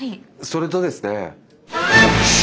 それとですね。